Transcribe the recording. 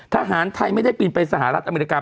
ทหารไทยไม่ได้ปีนไปสหรัฐอเมริกา